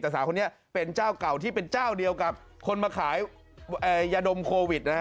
แต่สาวคนนี้เป็นเจ้าเก่าที่เป็นเจ้าเดียวกับคนมาขายยาดมโควิดนะฮะ